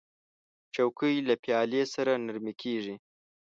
چوکۍ له پالې سره نرمې کېږي.